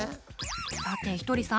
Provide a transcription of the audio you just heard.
さてひとりさん。